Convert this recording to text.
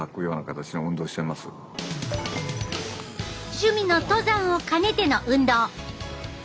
趣味の登山を兼ねての運動。